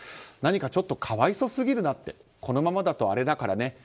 何かちょっと可哀想すぎるなってこのままだとあれだからね。